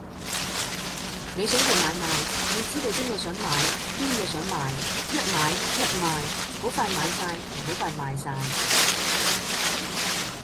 你想做買賣，要知邊個想買，邊個想賣，一買一賣，好快買哂同好快賣晒